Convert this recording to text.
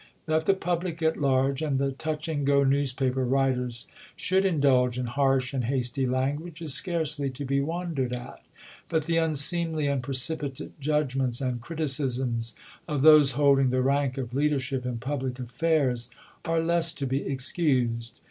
That the public at large and the touch and go newspaper writers should indulge in harsh and hasty language is scarcely to be wondered at ; but the unseemly and precipitate judgments and criti cisms of those holding the rank of leadership in public affairs are less to be excused.